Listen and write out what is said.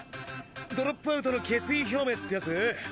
ドロップアウトの決意表明ってやつ？